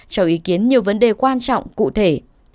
cho ý kiến nhiều vấn đề quan trọng cụ thể